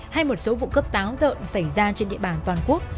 hay một số vụ cướp táo tợn xảy ra trên địa bàn toàn quốc